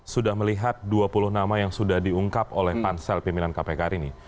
sudah melihat dua puluh nama yang sudah diungkap oleh pansel pimpinan kpk hari ini